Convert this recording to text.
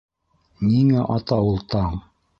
Ниңә ата ул таң?